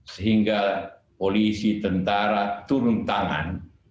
sehingga polisi tentara turun tangan